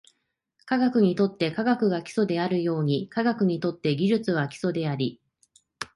技術にとって科学が基礎であるように、科学にとって技術は基礎であり、